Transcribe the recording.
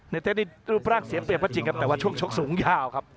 เต้นี่รูปร่างเสียเปรียบก็จริงครับแต่ว่าช่วงชกสูงยาวครับ